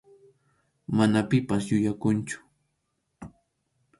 Mana pipas yuyakunchu.